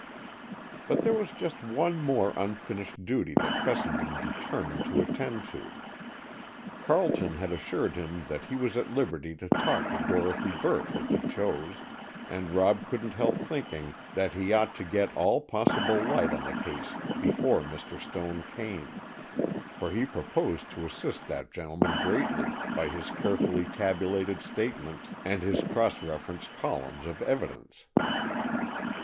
But there was just one more unfinished duty that Fessenden determined to attend to. Carleton had assured him that he was at liberty to talk to Dorothy Burt, if he chose, and Rob couldn't help thinking that he ought to get all possible light on the case before Mr. Stone came; for he proposed to assist that gentleman greatly by his carefully tabulated statements, and his cross referenced columns of evidence.